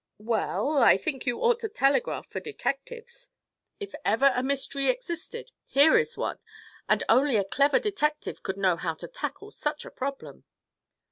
"Well, I think you ought to telegraph for detectives. If ever a mystery existed, here is one, and only a clever detective could know how to tackle such a problem."